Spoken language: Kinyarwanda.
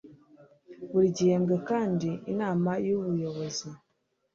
buri gihembwe kandi inama y ubuyobozi